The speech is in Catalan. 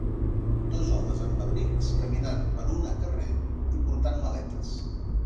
Dos homes amb abrics caminant per una carrer i portant maletes.